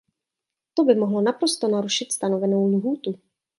To by mohlo naprosto narušit stanovenou lhůtu.